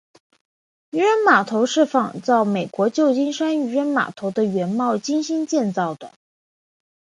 渔人码头是仿照美国旧金山渔人码头的原貌精心建造的。